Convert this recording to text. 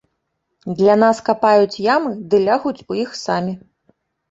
Для нас капаюць ямы, ды лягуць у іх самі!